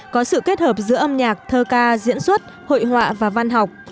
có sự kết hợp giữa âm nhạc thơ ca diễn xuất hội họa và văn học